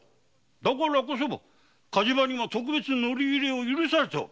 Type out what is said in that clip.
だからこそ火事場には特別に乗り入れを許されておる。